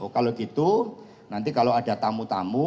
kalau gitu nanti kalau ada tamu tamu